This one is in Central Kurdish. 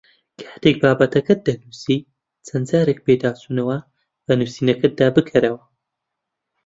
کاتێک بابەتەکەت دەنووسیت چەند جارێک پێداچوونەوە بە نووسینەکەتدا بکەرەوە